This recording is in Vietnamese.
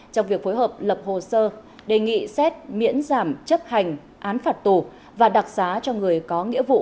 trong việc phối hợp lập hồ sơ đề nghị xét miễn giảm chấp hành án phạt tù và đặc giá cho người có nghĩa vụ